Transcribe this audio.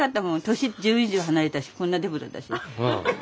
年１０以上離れてたしこんなデブだったし。